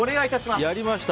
やりました！